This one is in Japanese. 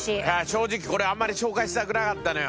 正直これあんまり紹介したくなかったのよ。